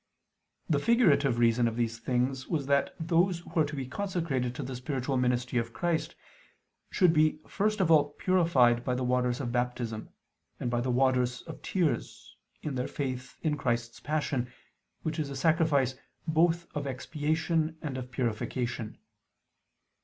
The figurative reason of these things was that those who are to be consecrated to the spiritual ministry of Christ, should be first of all purified by the waters of Baptism, and by the waters of tears, in their faith in Christ's Passion, which is a sacrifice both of expiation and of purification.